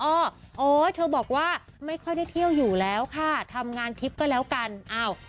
โอ๊ยเธอบอกว่าไม่ค่อยได้เที่ยวอยู่แล้วค่ะทำงานทิพย์ก็แล้วกันอ้าว